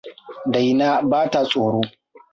Daina ba ta tsoro.